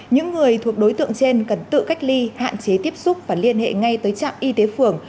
những người thuộc đối tượng trên cần tự cách ly hạn chế tiếp xúc và liên hệ ngay tới trạm y tế phường